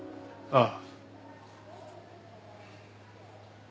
ああ。